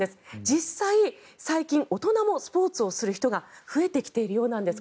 実際、最近大人もスポーツをする人が増えてきているようです。